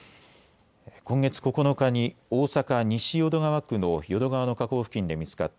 今月９日に大阪西淀川区の淀川の河口付近で見つかった。